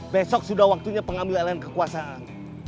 besok sudah waktunya pengambilan kekuasaan